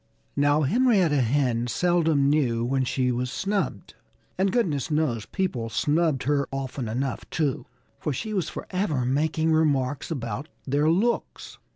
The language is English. Now, Henrietta Hen seldom knew when she was snubbed. And goodness knows people snubbed her often enough, too. For she was forever making remarks about their looks.